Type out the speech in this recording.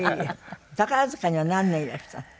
宝塚には何年いらしたの？